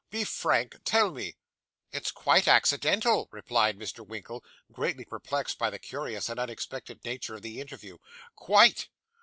Be frank. Tell me.' 'It's quite accidental,' replied Mr. Winkle, greatly perplexed by the curious and unexpected nature of the interview. 'Quite.